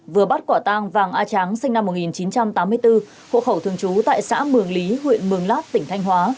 vừa bắt quả tang vàng a tráng sinh năm một nghìn chín trăm tám mươi bốn hộ khẩu thường trú tại xã mường lý huyện mường lát tỉnh thanh hóa